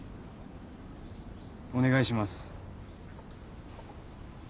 お願いします。